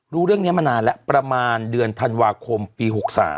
รู้เรื่องนี้มานานแล้วประมาณเดือนธันวาคมปี๖๓